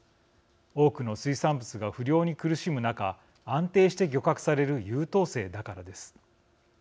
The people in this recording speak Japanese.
多くの水産物が不漁に苦しむ中安定して漁獲される優等生だからです。